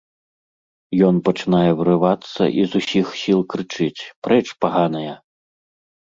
Ён пачынае вырывацца i з усiх сiл крычыць: "Прэч, паганая!